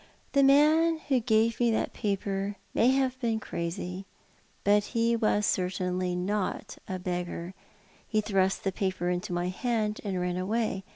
" The man who gave me that paper may have been crazy, but he was certainly not a beggar. He thrust the paper into my hand, and ran away.